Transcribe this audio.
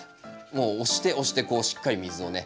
もう押して押してこうしっかり水をね